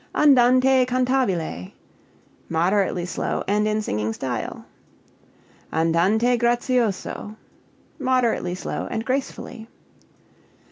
Andante cantabile moderately slow, and in singing style. Andante grazioso moderately slow, and gracefully.